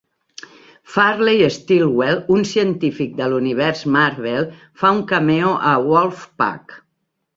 Farley Stillwell, un científic de l'univers Marvel, fa un cameo a "Wolfpack".